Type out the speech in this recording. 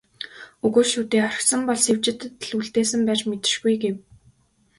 "Үгүй шүү дээ, орхисон бол Сэвжидэд л үлдээсэн байж мэдэшгүй" гэв.